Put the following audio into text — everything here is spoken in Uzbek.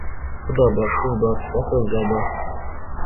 Xudo bor, Siz bor, va so‘zlar bor.